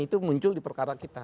itu muncul di perkara kita